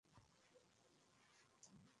অতঃপর উভয়ে চলতে লাগলেন।